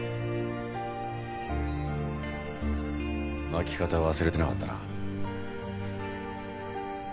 巻き方忘れてなかったな。